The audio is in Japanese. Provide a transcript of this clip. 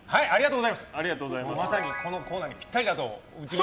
まさにこのコーナーにぴったりだと。